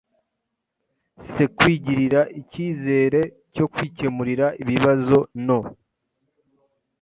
ckwigirira icyizere cyo kwikemurira ibibazo no